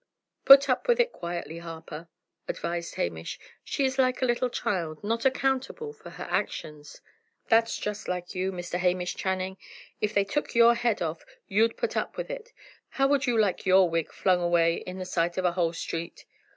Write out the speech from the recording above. "Put up with it quietly, Harper," advised Hamish. "She is like a little child, not accountable for her actions." "That's just like you, Mr. Hamish Channing. If they took your head off, you'd put up with it! How would you like your wig flung away in the sight of a whole street?"